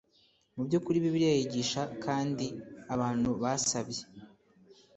mu by ukuri Bibiliya yigisha kandi abantu basabye